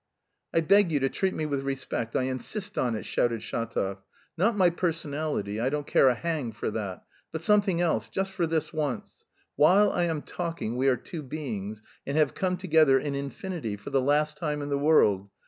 "I beg you to treat me with respect, I insist on it!" shouted Shatov, "not my personality I don't care a hang for that, but something else, just for this once. While I am talking... we are two beings, and have come together in infinity... for the last time in the world.